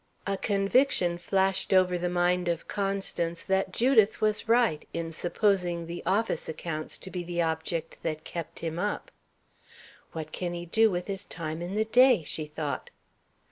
A conviction flashed over the mind of Constance that Judith was right, in supposing the office accounts to be the object that kept him up. "What can he do with his time in the day?" she thought.